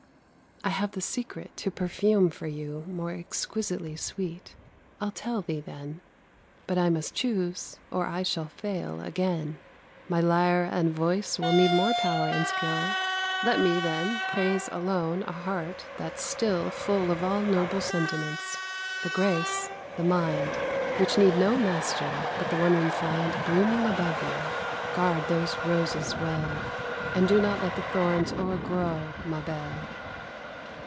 I have the secret to perfume for you More exquisitely sweet. I'll tell thee, then; But I must choose, or I shall fail again: [Illustration: DAPHNIS AND ALCIMADURA.] My lyre and voice will need more power and skill; Let me, then, praise alone a heart that's still Full of all noble sentiments, the grace, the mind, Which need no master but the one we find Blooming above you. Guard those roses well, And do not let the thorns o'ergrow, ma belle.